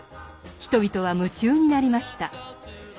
人々は夢中になりました。